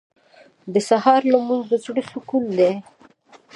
• د سهار لمونځ د زړونو سکون دی.